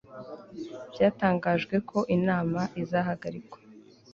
Byatangajwe ko inama izahagarikwa